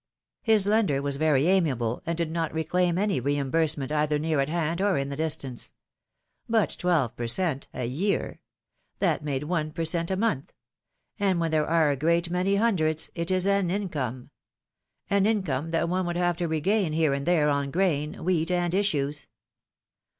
His lender was very amiable, and did not reclaim any reimbursement either near at hand or in the distance; but twelve per cent, a year — that made one per cent, a month — and when there are a great many hundreds, it is an income! An income that one would have to regain here and there on grain, wheat and issues.